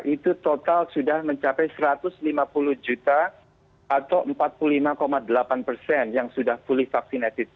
itu total sudah mencapai satu ratus lima puluh juta atau empat puluh lima delapan persen yang sudah pulih vaksinated